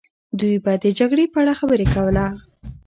دوی به د جګړې په اړه خبرې کوله.